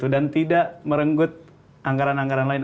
dan tidak merenggut anggaran anggaran lain